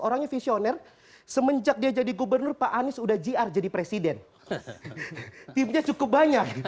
orangnya visioner semenjak dia jadi gubernur pak anies udah jr jadi presiden timnya cukup banyak